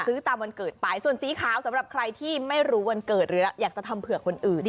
ซื้อตามวันเกิดไปส่วนสีขาวสำหรับใครที่ไม่รู้วันเกิดหรืออยากจะทำเผื่อคนอื่น